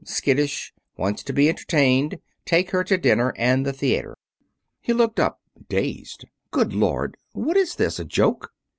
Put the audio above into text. Skittish. Wants to be entertained. Take her to dinner and the theater." He looked up, dazed. "Good Lord, what is this? A joke?"